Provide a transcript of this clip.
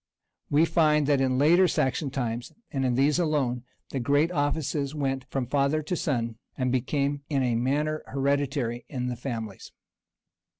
[] And we find that in the later Saxon times, and in these alone, the great offices went from father to sun, and became in a manner hereditary in the families.